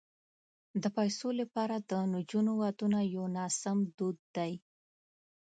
د پيسو لپاره د نجونو ودونه یو ناسم دود دی.